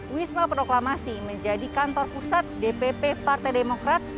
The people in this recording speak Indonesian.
wisma proklamasi menjadi kantor pusat dpp partai demokrat